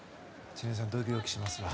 知念さんドキドキしますが。